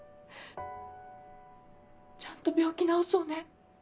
ちゃんと病気治そうね。